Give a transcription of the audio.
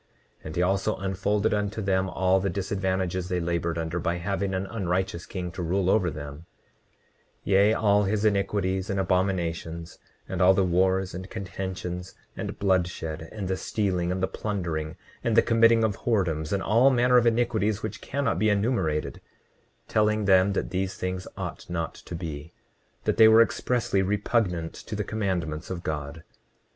29:35 And he also unfolded unto them all the disadvantages they labored under, by having an unrighteous king to rule over them; 29:36 Yea, all his iniquities and abominations, and all the wars, and contentions, and bloodshed, and the stealing, and the plundering, and the committing of whoredoms, and all manner of iniquities which cannot be enumerated—telling them that these things ought not to be, that they were expressly repugnant to the commandments of God.